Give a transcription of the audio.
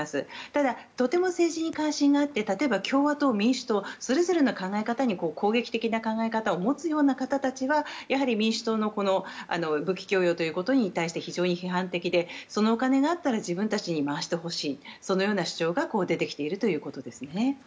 ただ、とても政治に関心があって共和党や民主党それぞれの考え方に攻撃的な考え方を持つような人たちはやはり民主党の武器供与ということに対して非常に批判的でそのお金があったら自分たちに回してほしいそのような主張が出てきているということですね。